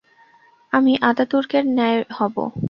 আমি আতাতুর্কের ন্যায় হব!